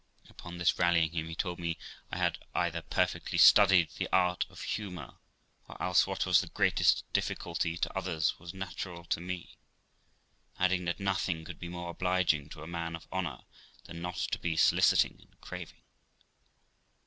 Upon this rallying him, he told me I had either perfectly studied the art of humour, or else what was the greatest difficulty to others was natural to me, adding that nothing could be more obliging to a man of honour than not to be soliciting and craving.